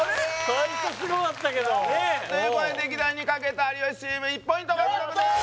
最初すごかったけどねえということでできないに賭けた有吉チーム１ポイント獲得です